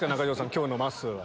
今日のまっすーは。